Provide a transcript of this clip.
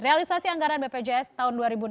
realisasi anggaran bpjs tahun dua ribu enam belas